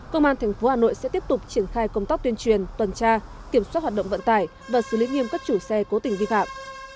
công an tp hà nội sẽ tiếp tục triển khai công tác tuyên truyền tuần tra kiểm soát hoạt động vận tải và xử lý nghiêm cất chủ xe cố tình vi phạm